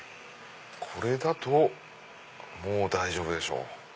これだともう大丈夫でしょう。